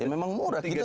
ya memang murah kita